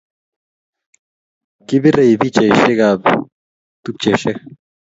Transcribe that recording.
Kipirei pichaishek ab tupcheshek